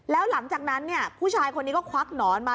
แล้วหลังจากนั้นผู้ชายคนนี้ก็ควักหนอนมา